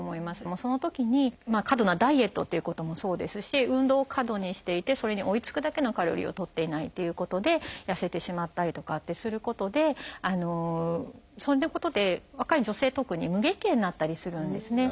そのときに過度なダイエットっていうこともそうですし運動を過度にしていてそれに追いつくだけのカロリーをとっていないということで痩せてしまったりとかってすることでそういうことで若い女性特に無月経になったりするんですね。